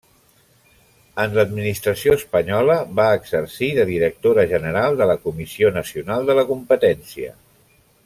En l'administració espanyola, va exercir de directora general de la Comissió Nacional de la Competència.